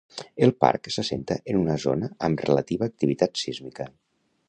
El parc s'assenta en una zona amb relativa activitat sísmica.